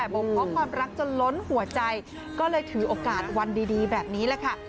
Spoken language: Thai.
บกความรักจนล้นหัวใจก็เลยถือโอกาสวันดีแบบนี้แหละค่ะ